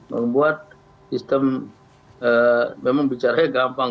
membuat sistem memang bicaranya gampang